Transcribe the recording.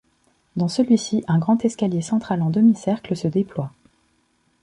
Dans celui-ci un grand escalier central en demi-cercle se déploie.